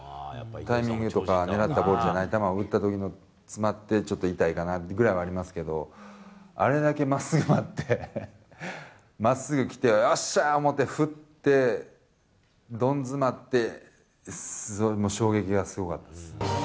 タイミングとか狙ったボールじゃない球を打ったときの、詰まって、ちょっと痛いかなぐらいはありますけど、あれだけまっすぐ待って、まっすぐ来て、よっしゃー思って振って、どん詰まって、衝撃がすごかったです。